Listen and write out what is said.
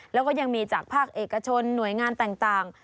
แล้วก็ยังมีจากภาคเอกชนหน่วยงานต่าง